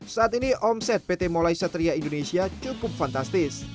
saat ini omset pt molai satria indonesia cukup fantastis